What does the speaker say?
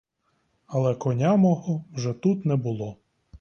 Але коня мого вже тут не було.